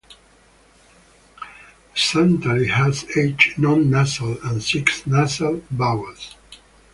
Santali has eight non-nasal and six nasal vowels.